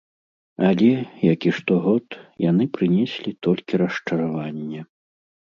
Але, як і штогод, яны прынеслі толькі расчараванне.